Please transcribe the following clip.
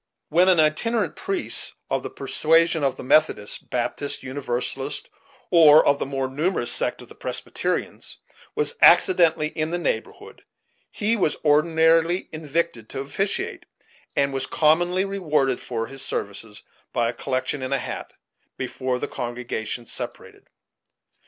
When an itinerant priest of the persuasion of the Methodists, Baptists, Universalists, or of the more numerous sect of the Presbyterians, was accidentally in the neighborhood, he was ordinarily invited to officiate, and was commonly rewarded for his services by a collection in a hat, before the congregation separated.